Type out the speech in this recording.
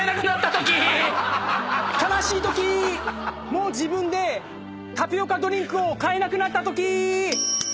もう自分でタピオカドリンクを買えなくなったとき！